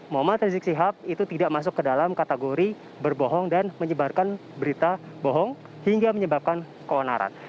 muhammad rizik sihab itu tidak masuk ke dalam kategori berbohong dan menyebarkan berita bohong hingga menyebabkan keonaran